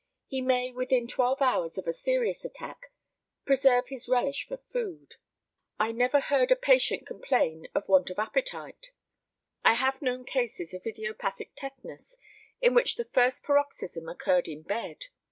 He may within twelve hours of a serious attack preserve his relish for food. I never heard a patient complain of want of appetite. I have known cases of idiopathic tetanus in which the first paroxysm occurred in bed.